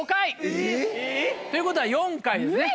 ということは４回ですね。